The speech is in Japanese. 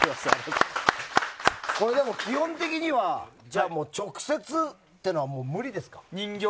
でも基本的には直接っていうのは無理ですか。